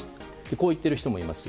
こう言っている人もいます。